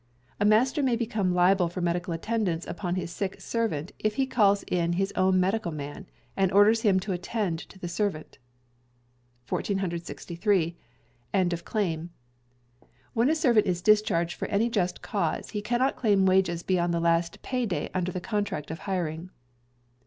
A Master may bacome liable for Medical Attendance upon his sick servant if he calls in his own medical man, and orders him to attend to the servant. 1463. End of Claim. When a Servant is Discharged for any just cause, he cannot claim wages beyond the last pay day under the contract of hiring.